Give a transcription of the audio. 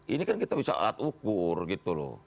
ini kan kita bisa alat ukur gitu loh